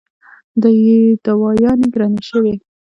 دوايانې ګرانې شوې